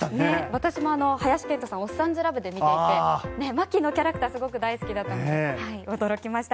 私も林遣都さんは「おっさんずラブ」で見ていて牧のキャラクターすごい好きだったので驚きました。